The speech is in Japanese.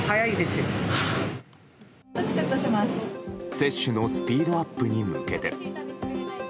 接種のスピードアップに向けて。